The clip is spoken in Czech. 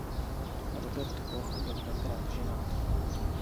Robert Koch byl dvakrát ženat.